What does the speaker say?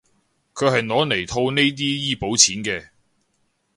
佢係攞嚟套呢啲醫保錢嘅